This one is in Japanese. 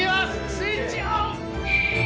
スイッチオン！